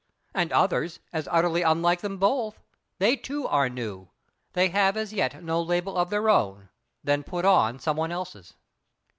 And others, as utterly unlike them both. They too are new. They have as yet no label of their own then put on some one else's!